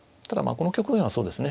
この局面はそうですね